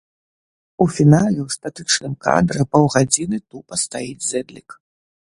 У фінале ў статычным кадры паўгадзіны тупа стаіць зэдлік.